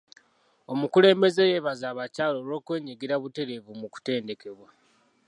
Omukulembeze yeebaza abakyala olw'okwenyigira obutereevu mu kutendekebwa.